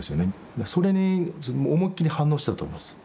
それに自分も思いっきり反応してたと思います。